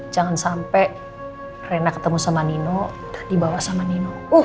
jangan sampai rena ketemu sama nino dibawa sama nino